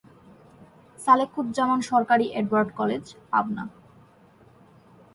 সালেকুজ্জামানসরকারি Edward college, Pabna.